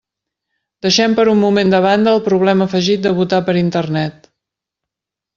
Deixem per un moment de banda el problema afegit de votar per Internet.